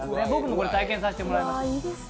僕も、これ体験させてもらいました